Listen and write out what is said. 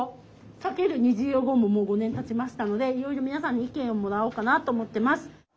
かける「にじいろＧＯ！」ももう５年たちましたのでいろいろ皆さんに意見をもらおうかなと思ってます。